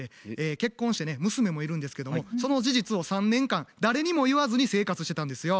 結婚してね娘もいるんですけどもその事実を３年間誰にも言わずに生活してたんですよ。